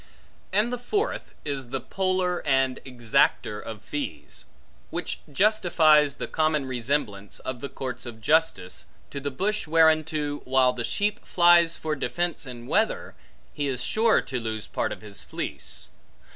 And the fourth, is the poller and exacter of fees; which justifies the common resemblance of the courts of justice, to the bush whereunto, while the sheep flies for defence in weather, he is sure to lose part of his fleece.